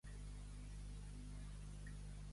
Passar-s'ho per baix cama.